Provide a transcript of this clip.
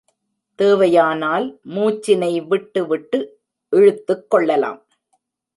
தேவையானால் மூச்சினை விட்டு விட்டு இழுத்துக் கொள்ளலாம்.